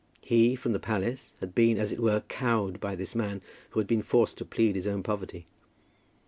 He, from the palace, had been, as it were, cowed by this man, who had been forced to plead his own poverty.